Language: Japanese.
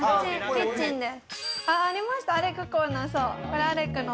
キッチンです。